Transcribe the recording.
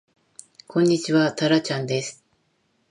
こんにちはたらちゃんです